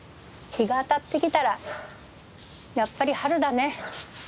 日が当たってきたらやっぱり春だね。